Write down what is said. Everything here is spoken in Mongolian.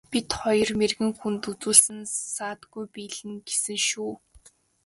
Бид хоёр мэргэн хүнд үзүүлсэн саадгүй биелнэ гэсэн шүү.